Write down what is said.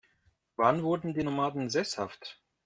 Wann wurden die Nomaden sesshaft?